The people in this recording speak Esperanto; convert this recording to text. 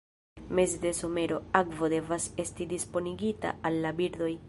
Meze de somero, akvo devas esti disponigita al la birdoj.